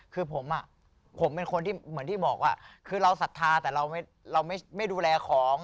คือผมเป็นคนเหมือนที่บอกว่าเราสัตว์ธาตุแต่เราไม่ดูแลของ